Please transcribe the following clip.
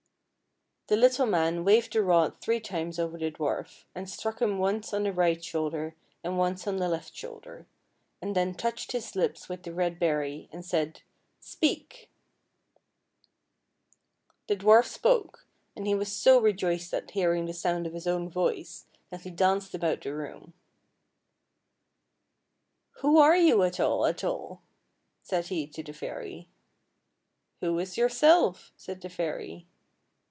The little man waved the rod three times over the dwarf, and struck him once on the right shoulder and once on the left shoulder, and then touched his lips with the red berry, and said: "Speak!" The dwarf spoke, and he was so rejoiced at hearing the sound of his own voice that he danced about the room. " Who are you at all, at all? " said he to the fairy. " Who is yourself? " said the fairy.